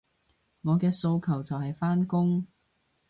我嘅訴求就係返工